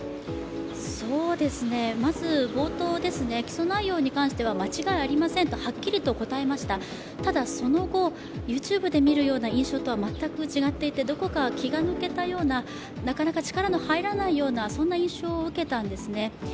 まず冒頭、起訴内容については間違いありませんとはっきりと答えました、ただその後、ＹｏｕＴｕｂｅで見るような印象とは全く違っていて、どこか気が抜けたようななかなか力の入らないような、そんな印象を受けたんですね。